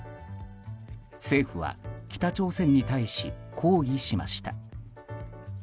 政府は北朝鮮に対し抗議しました。